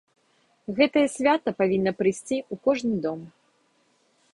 Гэтае свята павінна прыйсці ў кожны дом.